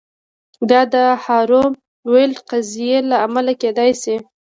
دا د هارو ویلډ قضیې له امله کیدای شي